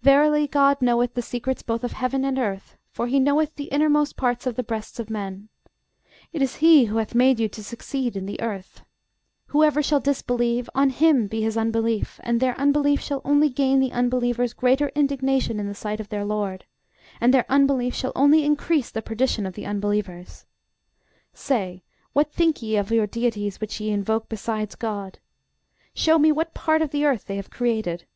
Verily GOD knoweth the secrets both of heaven and earth, for he knoweth the innermost parts of the breasts of men. It is he who hath made you to succeed in the earth. Whoever shall disbelieve, on him be his unbelief; and their unbelief shall only gain the unbelievers greater indignation in the sight of their LORD; and their unbelief shall only increase the perdition of the unbelievers. Say, what think ye of your deities which ye invoke besides GOD? Show me what part of the earth they have created.